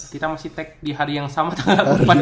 kita masih take di hari yang sama tanggal empat